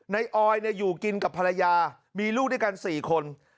ออยอยู่กินกับภรรยามีลูกด้วยกัน๔คน